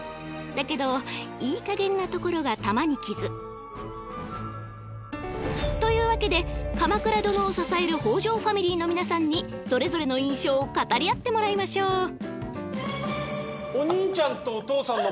だけどいいかげんなところが玉にきず。というわけで鎌倉殿を支える北条ファミリーの皆さんにそれぞれの印象を語り合ってもらいましょう。